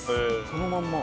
そのまんま？